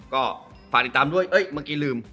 ก็ฝากติดตามด้วยเมื่อกี้ลืม